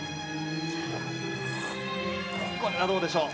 「これはどうでしょう？」